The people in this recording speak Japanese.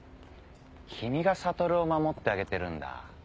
君が悟を守ってあげてるんだ。